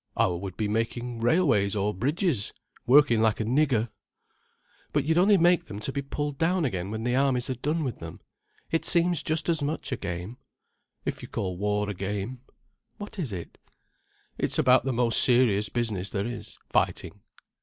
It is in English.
"I would be making railways or bridges, working like a nigger." "But you'd only make them to be pulled down again when the armies had done with them. It seems just as much a game." "If you call war a game." "What is it?" "It's about the most serious business there is, fighting."